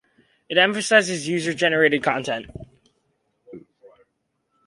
It emphasizes user-generated content.